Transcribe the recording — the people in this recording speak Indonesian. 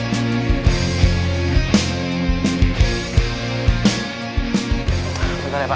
sam sam lebih cepat lagi sam